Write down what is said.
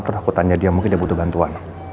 terus aku tanya dia mungkin dia butuh bantuan